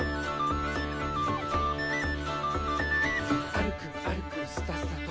「あるくあるくスタスタと」